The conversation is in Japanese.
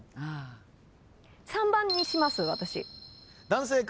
３番にします私。